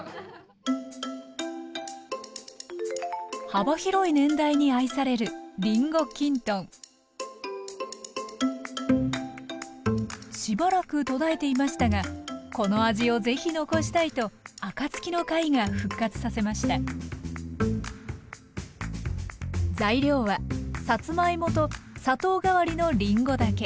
幅広い年代に愛されるしばらく途絶えていましたがこの味をぜひ残したいとあかつきの会が復活させました材料はさつまいもと砂糖代わりのりんごだけ。